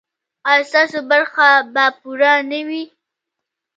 ایا ستاسو برخه به پوره نه وي؟